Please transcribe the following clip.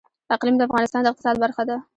اقلیم د افغانستان د اقتصاد برخه ده.